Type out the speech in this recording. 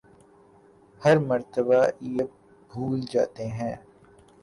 ہر مرتبہ یہ بھول جاتے ہیں